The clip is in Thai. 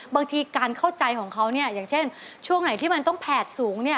บางทีการเข้าใจของเขาเนี่ยอย่างเช่นช่วงไหนที่มันต้องแผดสูงเนี่ย